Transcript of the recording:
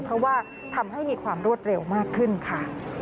เพราะว่าทำให้มีความรวดเร็วมากขึ้นค่ะ